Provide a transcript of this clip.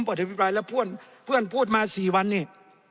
ผมปฏิบัติแล้วเพื่อนพูดมาสี่วันนี่